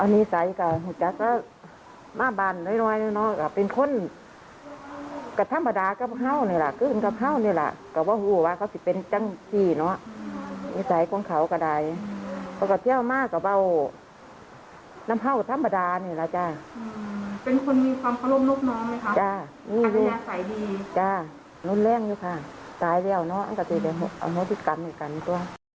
นู้นแรงด้วยค่ะตายเดียวเนอะอันกฤษจะเอาเฮอติศกรรมเหมือนกันก็